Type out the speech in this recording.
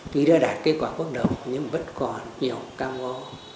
tuy đã đạt kết quả quốc độc nhưng vẫn còn nhiều cao ngó